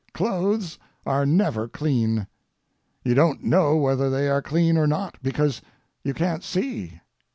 Clothes are never clean. You don't know whether they are clean or not, because you can't see.